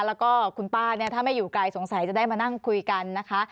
แล้วก็คุณป้าเนี่ยถ้าไม่อยู่ไกลสงสัยจะได้มานั่งคุยกันนะคะ